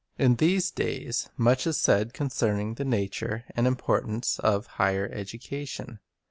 In these days much is said concerning the nature and importance of "higher education."